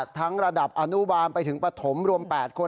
ทั้งระดับอนุบาลไปถึงประถมรวม๘คน